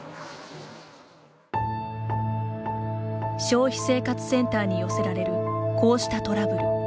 消費生活センターに寄せられるこうしたトラブル。